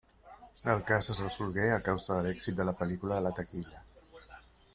El cas es resolgué a causa de l'èxit de la pel·lícula a la taquilla.